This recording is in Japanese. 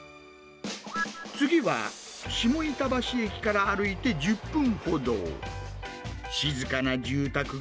次は、下板橋駅から歩いて１０分ほど。